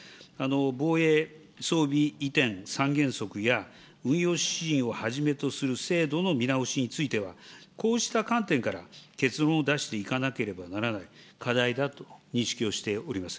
防衛装備移転三原則や、運用指針をはじめとする制度の見直しについては、こうした観点から結論を出していかなければならない課題だと認識をしております。